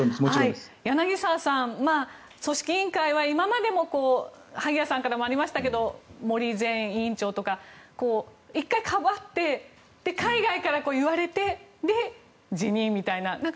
柳澤さん、組織委員会は今までも萩谷さんからもありましたが森前委員長とか１回かばって、海外から言われてで、辞任みたいな。